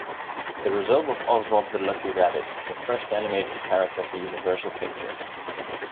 The result was Oswald the Lucky Rabbit, the first animated character for Universal Pictures.